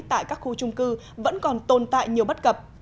tại các khu trung cư vẫn còn tồn tại nhiều bất cập